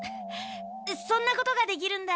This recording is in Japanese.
そんなことができるんだ。